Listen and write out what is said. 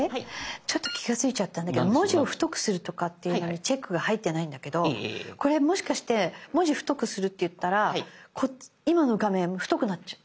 ちょっと気が付いちゃったんだけど「文字を太くする」にチェックが入ってないんだけどこれもしかして文字太くするっていったら今の画面太くなっちゃう？